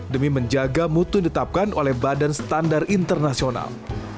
demi menjaga mutu yang ditetapkan oleh badan standar internasional